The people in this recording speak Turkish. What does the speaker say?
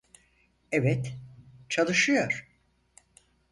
Evet, çalışıyor.